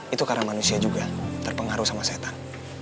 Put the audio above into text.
itu karena manusia juga terpengaruh sama setan